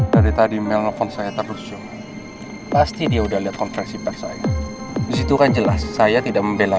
dari tadi melpon saya terus pasti dia udah lihat konfesi persoalan itu kan jelas saya tidak membela